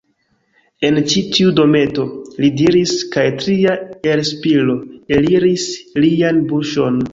En ĉi tiu dometo, li diris, kaj tria elspiro eliris lian buŝon.